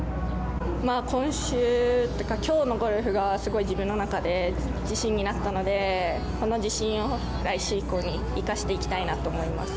今週というか今日のゴルフがすごい自分の中で自信になったのでこの自信を来週以降に生かしていきたいと思います。